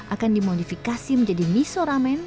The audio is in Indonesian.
akan dimodifikasi menjadi miso ramen